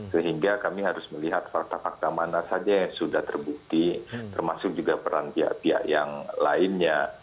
sehingga kami harus melihat fakta fakta mana saja yang sudah terbukti termasuk juga peran pihak pihak yang lainnya